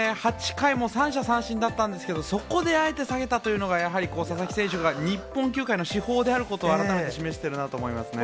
８回も三者三振だったんですけど、そこであえてさげたというのが、やはり佐々木選手が日本球界の至宝であることを改めて示しているなと思いますね。